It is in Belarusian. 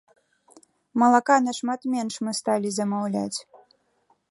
Малака нашмат менш мы сталі замаўляць.